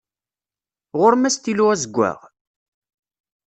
Ɣur-m astilu azeggaɣ?